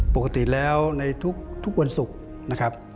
ปกติแล้วในทุกวันศุกร์นะครับ